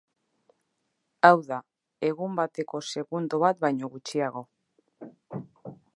Hau da, egun bateko segundo bat baino gutxiago.